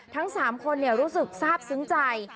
ทั้ง๓คนรู้สึกทราบซึ้งใจ